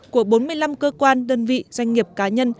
của bốn mươi năm cơ quan đơn vị doanh nghiệp cá nhân